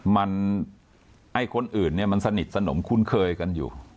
มันไอ้คนอื่นเนี่ยมันสนิทสนมคุ้นเคยกันอยู่